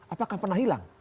apakah pernah hilang